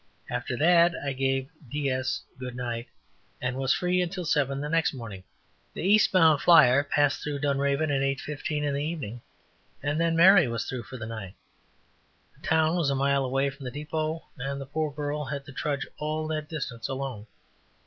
After that I gave "DS" good night, and was free until seven the next morning. The east bound flyer passed Dunraven at eight fifteen in the evening and then. Mary was through for the night. The town was a mile away from the depot and the poor girl had to trudge all that distance alone.